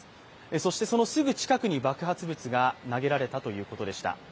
そしてそのすぐ近くに爆発物が投げられたということです。